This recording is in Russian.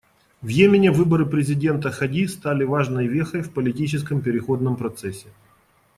В Йемене выборы президента Хади стали важной вехой в политическом переходном процессе.